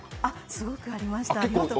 すごくありました、